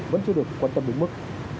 vẫn chưa được quan tâm đến mức